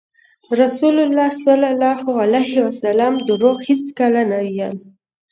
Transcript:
رسول الله ﷺ دروغ هېڅکله نه ویل.